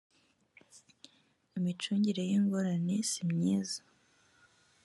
imicungire y ingorane simyiza